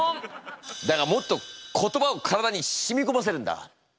だがもっと言葉を体にしみこませるんだ！